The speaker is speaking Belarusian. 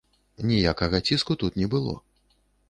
Ніякага ціску тут не было.